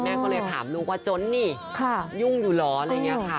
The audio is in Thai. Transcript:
ก็เลยถามลูกว่าจนนี่ยุ่งอยู่เหรออะไรอย่างนี้ค่ะ